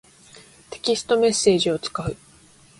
テキストメッセージを使う。